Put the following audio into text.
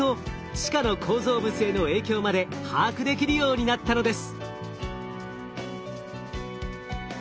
地下の構造物への影響まで把握できるようになったのです。